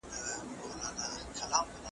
ښه اخلاق د انسان عزت زیاتوي.